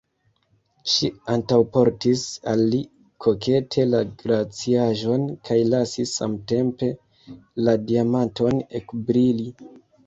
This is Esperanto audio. Ŝi antaŭportis al li kokete la glaciaĵon kaj lasis samtempe la diamanton ekbrili.